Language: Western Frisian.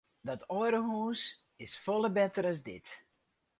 Dat oare hús is folle better as dit.